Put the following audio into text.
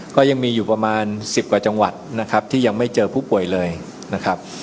ก็ยังมีอยู่ประมาณ๑๐กว่าจังหวัดนะครับที่ยังไม่เจอผู้ป่วยเลยนะครับ